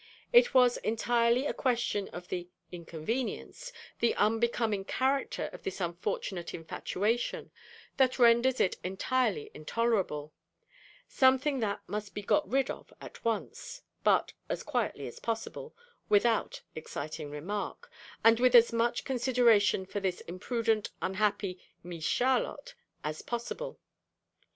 It was entirely a question of the 'inconvenience' the unbecoming character of this unfortunate infatuation, that renders it entirely intolerable; something that must be got rid of at once; but as quietly as possible, without exciting remark, and with as much consideration for this imprudent, unhappy 'Mees Charlotte' as possible.